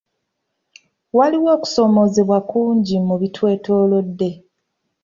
Waliwo okusomoozebwa kungi mu bitwetoolodde.